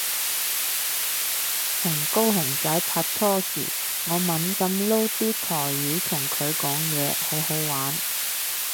同高雄仔拍拖時我猛噉撈啲台語同佢講嘢好好玩